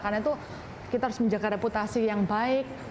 karena itu kita harus menjaga reputasi yang baik